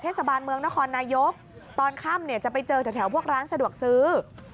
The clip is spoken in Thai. เทศบาลเมืองนครนายกตอนค่ำเนี่ยจะไปเจอแถวพวกร้านสะดวกซื้อ